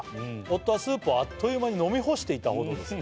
「夫はスープをあっという間に飲み干していたほどです」